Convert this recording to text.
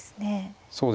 そうですね。